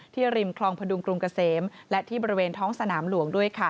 ริมคลองพดุงกรุงเกษมและที่บริเวณท้องสนามหลวงด้วยค่ะ